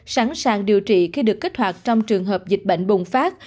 sẵn sàng điều trị khi được kích hoạt trong trường hợp dịch bệnh bùng phát